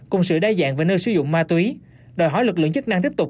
cùng sự đa dạng về nơi sử dụng ma túy đòi hỏi lực lượng chức năng tiếp tục